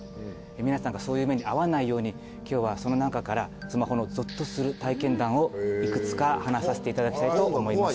皆さんがそういう目に遭わないように今日はその中からスマホのゾッとする体験談をいくつか話させていただきたいと思います。